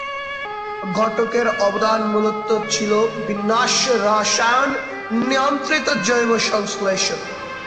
ঘটকের অবদান মূলত ছিল বিন্যাস রসায়ন নিয়ন্ত্রিত জৈব সংশ্লেষণ।